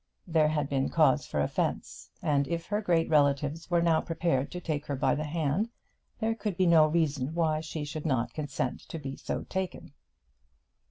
There had been cause for offence; and if her great relatives were now prepared to take her by the hand, there could be no reason why she should not consent to be so taken.